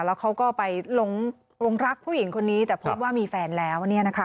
แล้วเขาก็ไปลงรักผู้หญิงคนนี้แต่พบว่ามีแฟนแล้ว